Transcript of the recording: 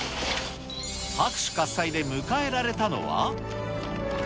拍手喝采で迎えられたのは。